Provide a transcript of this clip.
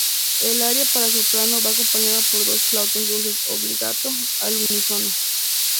El aria para soprano va acompañada por dos flautas dulces "obbligato" al unísono.